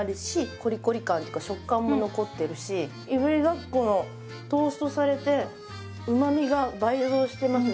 コリコリ感食感も残ってるしいぶりがっこのトーストされてうまみが倍増してますね